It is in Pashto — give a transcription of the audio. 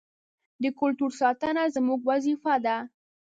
د کلتور ساتنه زموږ وظیفه ده.